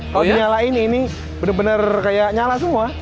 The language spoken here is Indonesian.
kalau dinyalain ini bener bener kayak nyala semua